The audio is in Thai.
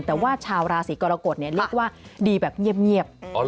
แต่ว่าชาวราศีกรกฎเรียกว่าดีแบบเงียบ